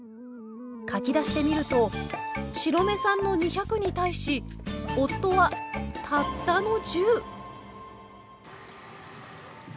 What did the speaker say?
書き出してみると白目さんの２００に対し夫はたったの１０。